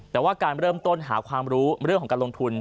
แต่ว่าการเริ่มต้นหาความรู้เรื่องของการลงทุน